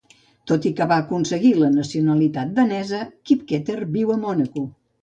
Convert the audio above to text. Tot i que va aconseguir la nacionalitat danesa, Kipketer viu a Mònaco.